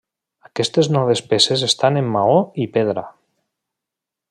Aquestes noves peces estan en maó i pedra.